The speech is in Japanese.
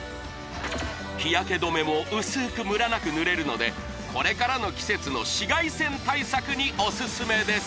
日焼け止めも薄くムラなく塗れるのでこれからの季節の紫外線対策にオススメです